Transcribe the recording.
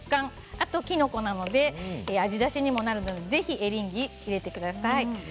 あときのこなので味だしにもなるのでぜひエリンギ入れてください。